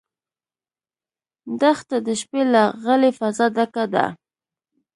دښته د شپې له غلې فضا ډکه ده.